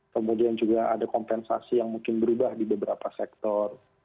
kemudian juga ada kompensasi yang mungkin berubah di beberapa sektor